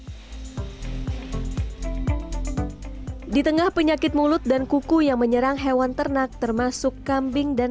hai di tengah penyakit mulut dan kuku yang menyerang hewan ternak termasuk kambing dan